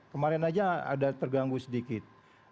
kemarin aja ada terganggu sedikit